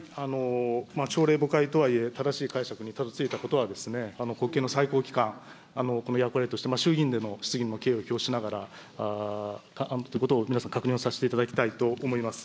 朝令暮改とはいえ、正しい解釈にたどりついたことは、国権の最高機関、この役割として、衆議院での質疑に敬意を表しながら、皆さん、確認をさせていただきたいと思います。